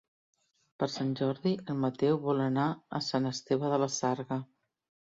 Per Sant Jordi en Mateu vol anar a Sant Esteve de la Sarga.